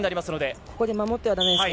ここで守ってはだめですね。